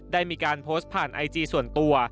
ได้มีการโพสต์ผ่านไอจีส่วนตัว